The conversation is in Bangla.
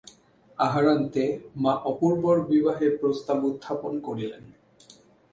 আহারান্তে মা অপূর্বর বিবাহের প্রস্তাব উত্থাপন করিলেন।